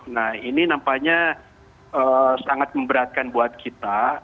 nah ini nampaknya sangat memberatkan buat kita